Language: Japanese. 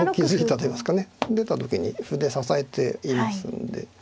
出た時に歩で支えていますんで。